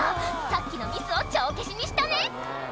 さっきのミスを帳消しにしたね